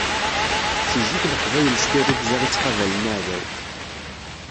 Seg zik leqbayel s tirugza i ttqabalen aɛdaw.